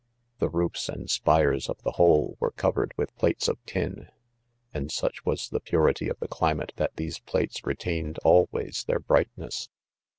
— the roofs and spires of the whole were cover ed with plates of tin, and such was the. purity of the climate that these plates retained always their brightness.